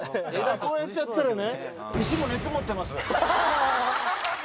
こうやってやったらね。